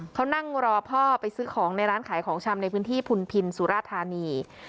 เขานั่งรอพ่อไปซื้อของในร้านขายของชำในพื้นที่พุนพินสุราธานี